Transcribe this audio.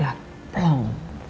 sekarang hati ini sudah plong